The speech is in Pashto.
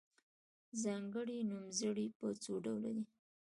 ځانګړي نومځري په څو ډوله دي.